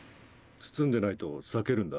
包んでないと裂けるんだ。